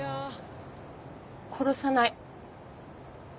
殺さない。